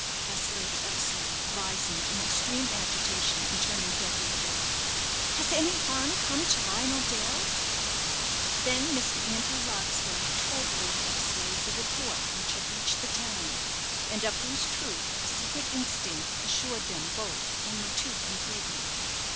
asked Lady Eversleigh, rising, in extreme agitation, and turning deadly pale. "Has any harm come to Lionel Dale?" Then Mr. Andrew Larkspur told Lady Eversleigh the report which had reached the town, and of whose truth a secret instinct assured them both, only too completely.